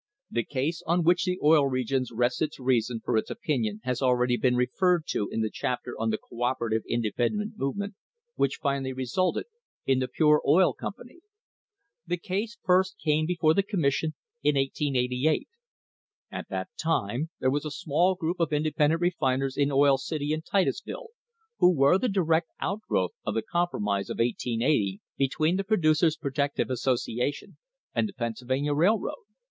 The case on which the Oil Regions rests its reason for its opinion has already been referred to in the chapter on the co operative independent movement which finally resulted in the Pure Oil Company. The case first came before the Commission in 1888. At that time there was a small group of independent refiners in Oil City and Titus ville, who were the direct outgrowth of the compromise of 1880 between the Producers' Protective Association and the Pennsylvania Railroad.